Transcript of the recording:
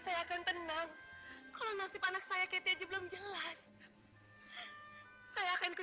iya aku amat setuju